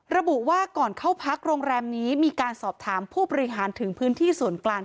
ระบุว่าก่อนเข้าพักโรงแรมนี้มีการสอบถามผู้บริหารถึงพื้นที่ส่วนกลาง